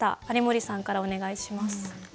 有森さんからお願いします。